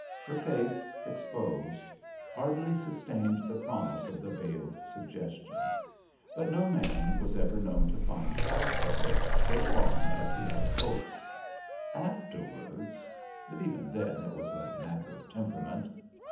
Her face, exposed, hardly sustained the promise of the veiled suggestion; but no man was ever known to find fault with it so long as he had hopes; afterwards but even then it was a matter of temperament.